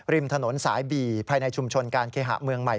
ริมถนนสายบี่ภายในชุมชนการเคหะเมืองใหม่